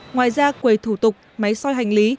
ngoài ra quầy thủ tục máy soi hành lý